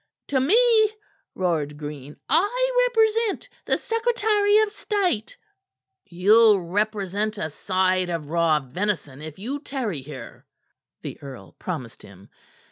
"To me?" roared Green. "I represent the Secretary of State." "Ye'll represent a side of raw venison if you tarry here," the earl promised him.